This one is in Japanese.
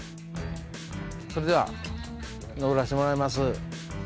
それでは上らせてもらいます。